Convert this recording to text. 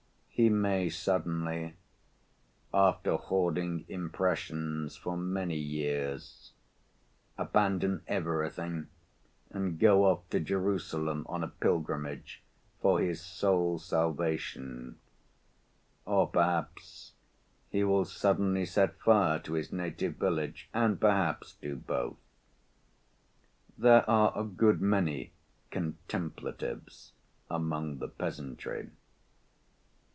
He may suddenly, after hoarding impressions for many years, abandon everything and go off to Jerusalem on a pilgrimage for his soul's salvation, or perhaps he will suddenly set fire to his native village, and perhaps do both. There are a good many "contemplatives" among the peasantry.